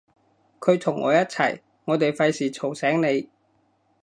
佢同我一齊，我哋費事嘈醒你